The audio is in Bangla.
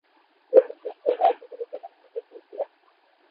একুশ বছর বয়সে তিনি সেনাবাহিনীতে যোগ দেন।